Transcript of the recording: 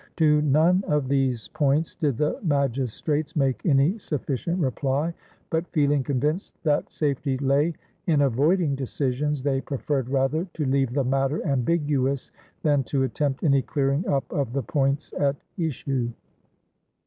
To none of these points did the magistrates make any sufficient reply, but, feeling convinced that safety lay in avoiding decisions, they preferred rather to leave the matter ambiguous than to attempt any clearing up of the points at issue.